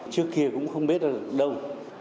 trước kia cũng không biết đâu